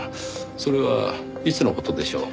それはいつの事でしょう？